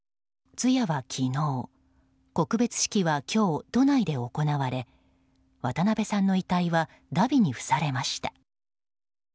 通夜は昨日告別式は今日、都内で行われ渡辺さんの遺体はだびに付されました。